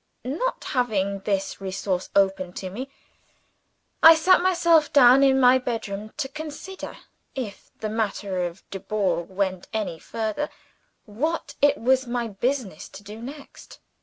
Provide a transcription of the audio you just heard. Not having this resource open to me, I sat myself down in my bedroom, to consider if the matter of Dubourg went any further what it was my business to do next.